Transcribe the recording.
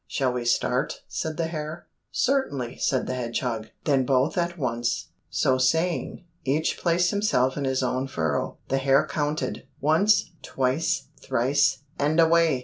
"Shall we start?" said the hare. "Certainly," said the hedgehog. "Then both at once." So saying, each placed himself in his own furrow. The hare counted, "Once, twice, thrice, and away!"